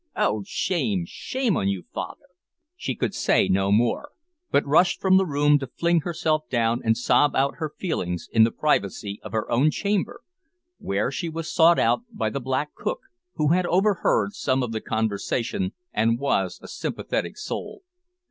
Oh! shame, shame on you, father " She could say no more, but rushed from the room to fling herself down and sob out her feelings in the privacy of her own chamber, where she was sought out by the black cook, who had overheard some of the conversation, and was a sympathetic soul.